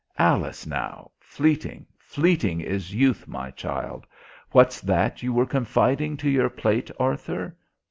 Alice, now! Fleeting, fleeting is youth, my child! What's that you were confiding to your plate, Arthur?